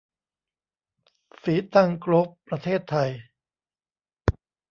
ศรีตรังโกลฟส์ ประเทศไทย